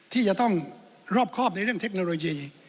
ที่จะต้องรอบครอบในเรื่องเทคโนโลยี